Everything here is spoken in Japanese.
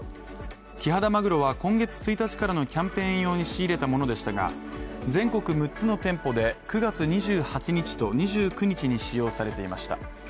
キハダマグロは今月１日からのキャンペーン用に仕入れたものでしたが全国６つの店舗で９月２８日と２９日に使用されていました。